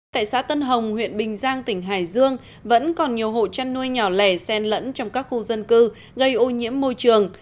tại xã tân hồng huyện bình giang tỉnh hải dương vẫn còn nhiều hộ chăn nuôi nhỏ lẻ sen lẫn trong các khu dân cư gây ô nhiễm môi trường